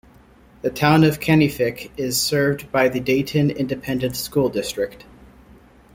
The Town of Kenefick is served by the Dayton Independent School District.